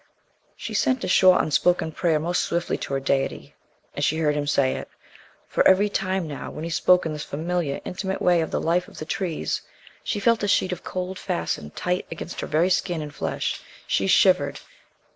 She sent a short unspoken prayer most swiftly to her deity as she heard him say it. For every time now, when he spoke in this familiar, intimate way of the life of the trees, she felt a sheet of cold fasten tight against her very skin and flesh. She shivered.